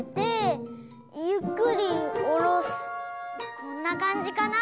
こんなかんじかな？